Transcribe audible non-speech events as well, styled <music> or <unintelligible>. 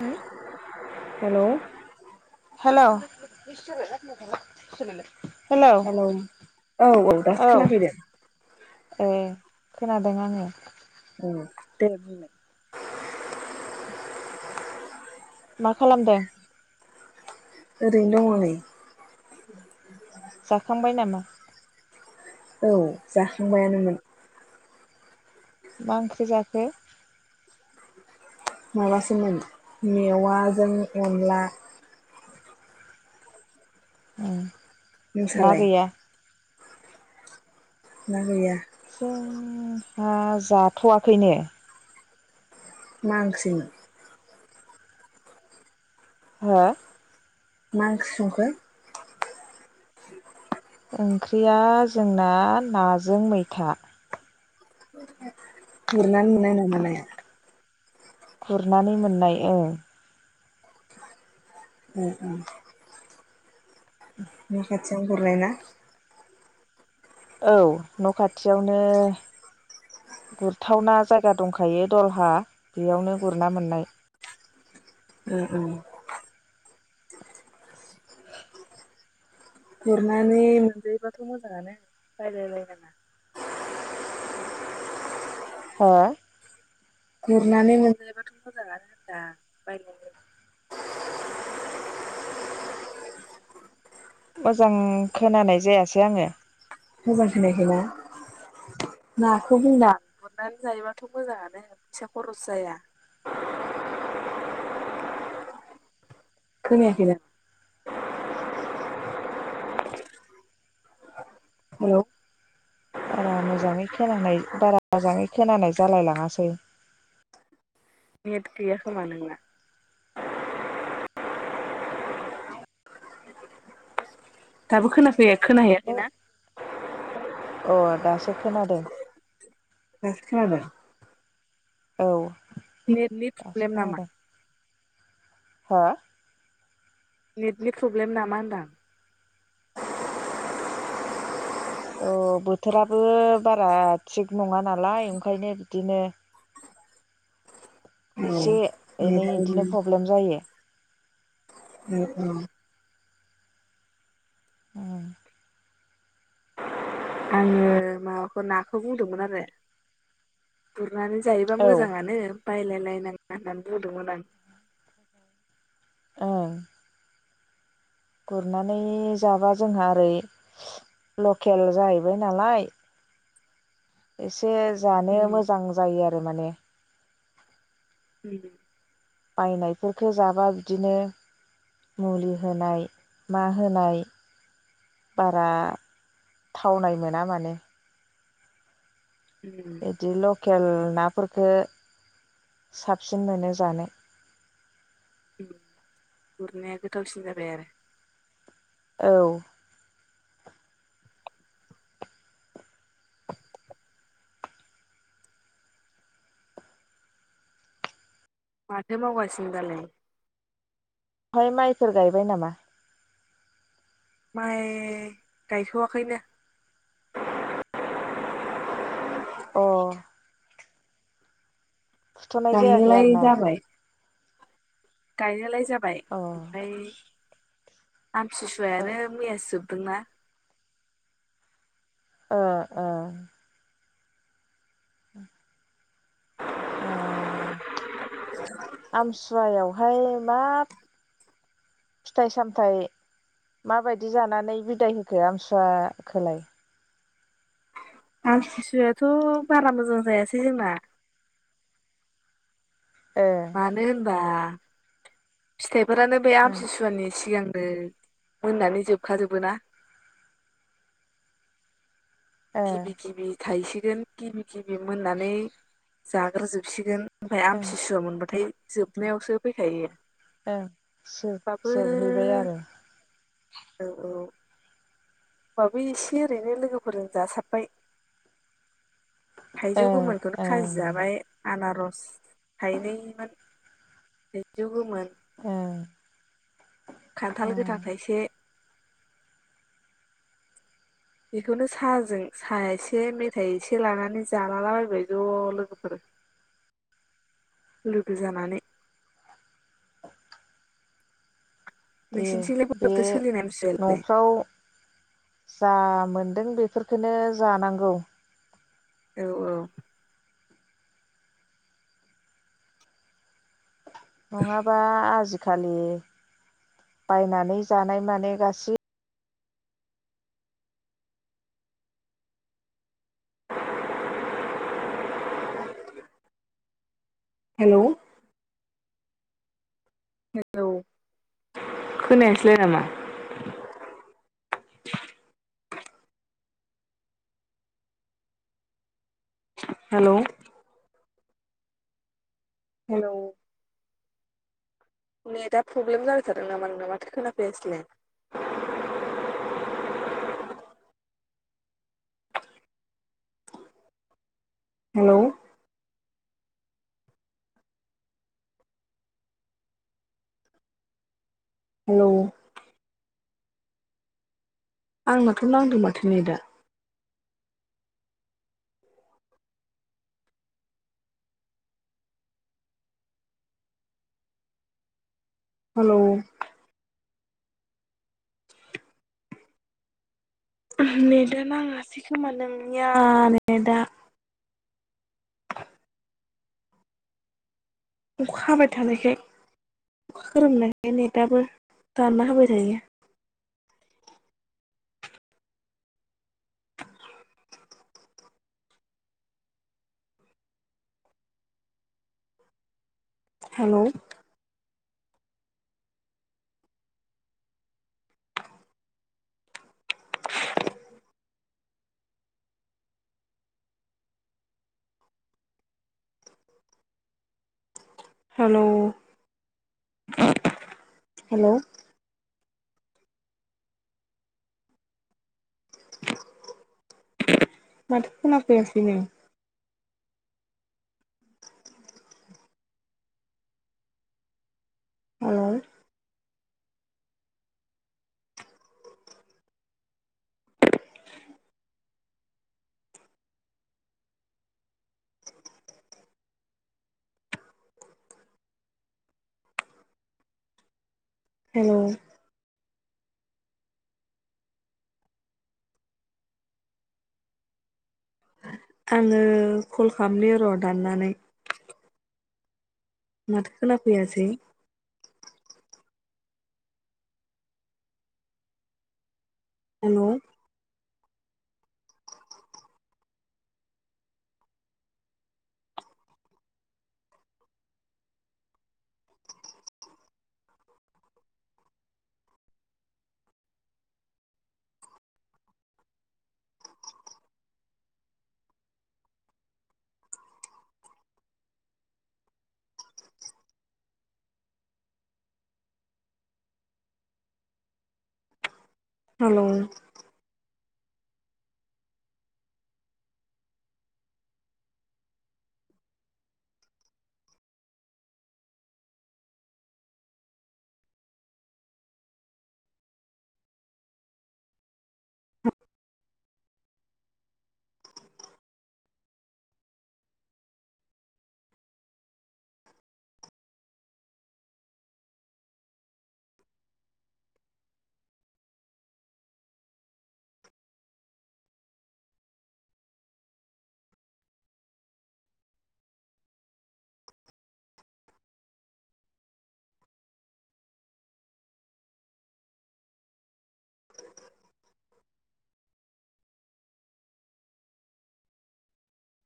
हाय hello hello hello औ-औ दासो औ खोनाफैदों। ए खोनादों आङो। औ दे बुंबाय। मा खालामदों? ओरैनो दङ नै। जाखांबाय नामा औ जाखांबायानोमोन। मा ओंख्रि जाखो? माबासोमोन मेवाजों अनला। आ। नोंस्रालाय? ना गैया? जों हा जाथ'वाखैनो। मा ओंख्रि? हा? मा ओंख्रि संखो? ओंख्रिया जोंना नाजों मैथा। गुरनानै मोननाय नामा नाया? गुरनानै मोननाय ओं। उम उम। न' खाथियाव गुरनायना? औ न' खाथियावनो। गुरथावना जायगा दंखायो दलहा बेयावनो गुरना मोननाय। ओ औ गुरनानै मोनजायोबाथ' मोजाङानो बायलायलायनाङा। हा? गुरनानै मोनजायोबाथ' मोजाङानो होनदां बायलायलायनाङा। <inaudible> मोजां खोनानाय जायासै आङो। मोजां खोनायाखैना नाखौ बुंदां। गुरनानै जायोबाथ' मोजाङानो फैसा खरस जाया। <inaudible> खोनायाखैना? हेल' बारा मोजाङै खोनानाय बारा मोजाङै खोनानाय जालायलाङासै। नेट गैया खोमा नोंना? दाबो खोनाफैया नों खोनाहैयाखैना? अ दासो खोनादों। दासो खोनादों। औ नेटनि प्रब्लेम नामा? हा? नेटनि प्रब्लेम नामा होनदां? औ बोथोराबो बारा थिग नङा नालाय ओंखायनो बिदिनो। औ एसे एनै इदिनो प्रब्लेम जायो। अ औ औ। आङो माबाखौ नाखौ बुंदोंमोन आरो। गुरनानै जायोबा औ मोजाङानो बायलायलायनाङा होननानै बुंदोंमोन आं। अ गुरनानै जाबा जोंहा ओरै लकेल जाहैबाय नालाय एसे जानो उम मोजां जायो आरो माने। उम। बायनायफोरफोरखौ जाबा बिदिनो मुलि होनाय मा होनाय बारा थावनाय मोना माने उम बिदि लकेल नाफोरखो साबसिन मोनो जानो उम गुरनाया गोथावसिन जाबाय आरो औ माथो मावगासिनो दालाय। बेवहाय माइफोर गायबाय नामा? माइ गायथवाखैनो? अ। फुथ'नाय जायाखै आरो गायनोलाय ना जाबाय गायनायलाय जाबाय अ ओमफफ्राय। ओ आमतिसुवायानो मैयासो जोबदोंना ओ ओ। <unintelligible> ओ आमसुवायावहाय माब फिथाइ सामथायाइ। माबायदि जानानै बिदाय होखो आमसुवाखौलाय आम सिसुवायाथ बारा मोजां जायासै जोंना। ओ मानो होनबा। फिथाइफोरानो बे ओं आमथिसुवानि सिगां मोननानै जोबखाजोबो ना ओं गिबि गिबि थायसिगोन गिबि गिबि मोननानै जाग्रोजोबसिगोन ओमफफ्राय ओं आमतसुवा मोनबाथाय जोबनायावसो फैखायो। ओं होमबाबो जोबहैबाय आरो। औ औ। होनोमबाबो एसे ओरैनो लोगोफोरजों जासाबबाय। थाइजौ ओं गोमालखौनो खाजि ओं जाबाय। आनारस थाइनैमोन थाइजौबोमोन। औ। खान्थाल गोथां थाइसे बेखौनो साहाजों साहा एसे मेथाइ एसे लानानै जालालाबायबाय ज' लोगोफोर। <inaudible> लोगो जानानै। दे नोंसिनिथिंलाय बे बोरैथो सोलिनाय आमथिसुवायालाय नफ्राव जा मोनदों बेफोरफोरखौनो जानांगौ औ औ नङाबा आजिख आजिखालि बायनानै जानाय माने गासै हेलौ। हेलौ खोनायासैलाय नामा? हेलौ हेलौ नेटा प्रब्लेम जाबाय थादों नामा नोंना माथो खोनाफैयासैलाय हेलौ हेलौ आंनाथ नांदों माथो नेटा हेलौ। नेटआ नाङासै खोमा नोंनिया नेटआ। <inaudible> अखा हाबाय थानायखाय। अखा खोरोमबानो नेटआबो दानना होबाय थायो। हेलौ। Hello hello. माथो खोनाफैयासैनो। Hello hello. आंङो कल खालामनि र दाननानै। माथो खोना फैयासै। हेलौ। हेलौ।